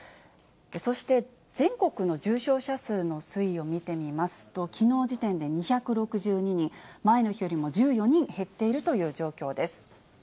そして全国の重症者数の推移を見てみますと、きのう時点で２６２人、前の日よりも１４人減っているという状況です。